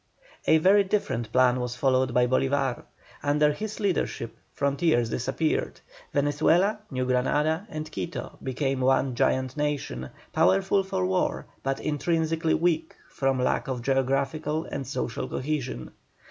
A very different plan was followed by Bolívar. Under his leadership frontiers disappeared; Venezuela, New Granada, and Quito, became one giant nation, powerful for war, but intrinsically weak from lack of geographical and social cohesion.